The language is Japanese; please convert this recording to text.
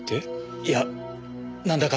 いやなんだか